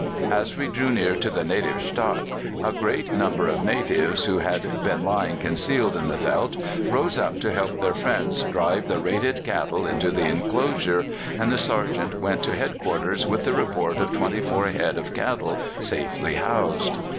As we drew near to the native stadt, a great number of natives who had been lying concealed in the veldt rose up to help their friends drive the raided cattle into the enclosure, and the sergeant went to head quarters with the report of twenty four head of cattle safely housed."